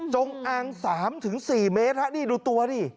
จงอาง๓๔เมตรนี่ดูตัวดิ